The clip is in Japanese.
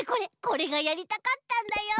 これがやりたかったんだよ。